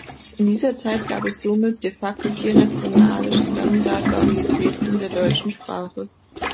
In dieser Zeit gab es somit de facto vier nationale Standardvarietäten der deutschen Sprache.